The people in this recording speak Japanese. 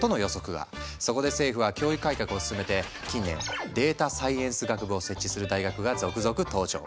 そこで政府は教育改革を進めて近年データサイエンス学部を設置する大学が続々登場。